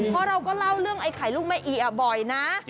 เพราะเราก็เล่าเรื่องไอ้ไข่ลูกแม่อีบ่อยนะ